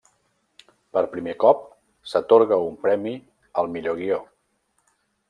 Per primer cop s'atorga un premi al millor guió.